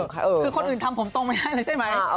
คือคนอื่นทำผมตรงไม่ได้เลยใช่ไหม